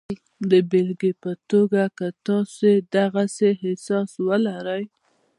د بېلګې په توګه که تاسې د غسې احساس ولرئ